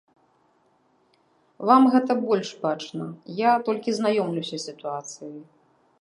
Вам гэта больш бачна, я толькі знаёмлюся з сітуацыяй.